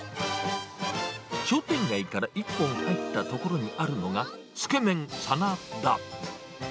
商店街から１本入った所にあるのが、つけめんさなだ。